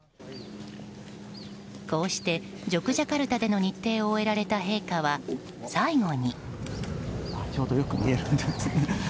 こうしてジョクジャカルタでの日程を終えられた陛下は最後に。